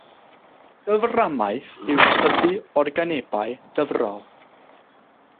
Dyframaeth yw tyfu organebau dyfrol.